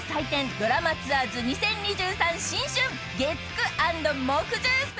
『ドラマツアーズ２０２３新春』月９＆木１０ＳＰ！］